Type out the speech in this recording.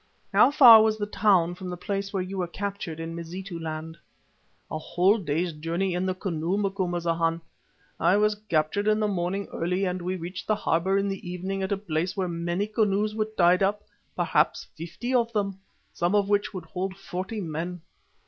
How far was the town from the place where you were captured in Mazitu land?" "A whole day's journey in the canoe, Macumazana. I was captured in the morning early and we reached the harbour in the evening at a place where many canoes were tied up, perhaps fifty of them, some of which would hold forty men."